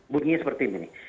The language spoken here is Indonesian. bunyinya seperti ini